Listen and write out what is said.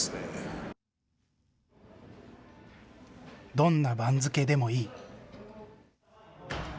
どんな番付でもいい。